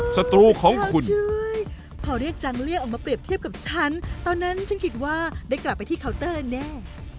ศัตรูของคุณพอเรียกจังเรียกออกมาเปรียบเทียบกับฉันตอนนั้นฉันคิดว่าได้กลับไปที่เคาน์เตอร์แน่